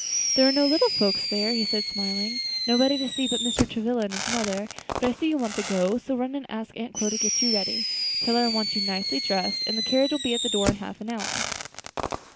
"There are no little folks there," he said smiling, "nobody to see but Mr. Travilla and his mother. But I see you want to go; so run and ask Aunt Chloe to get you ready. Tell her I want you nicely dressed, and the carriage will be at the door in half an hour."